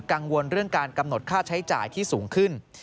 กังวลเรื่องการกำหนดค่าใช้จ่ายที่สูงขึ้น